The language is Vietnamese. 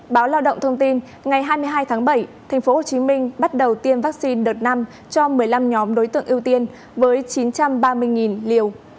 báo lao động thông tin ngày hai mươi hai tháng bảy tp hcm bắt đầu tiêm vaccine đợt năm cho một mươi năm nhóm đối tượng ưu tiên với chín trăm ba mươi liều